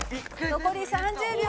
残り２０秒。